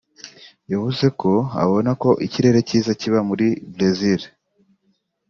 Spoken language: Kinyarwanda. yavuze ko abona ko ikirere cyiza kiba muri Brezil